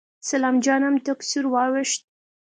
سلام جان هم تک سور واوښت.